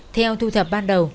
theo thu thập ban đầu